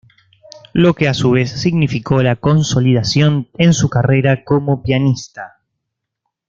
Lo que a su vez significó la consolidación en su carrera como pianista.